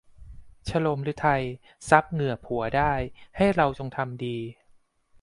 ชะโลมฤทัย ซับเหงื่อผัวได้ ให้เราจงทำดี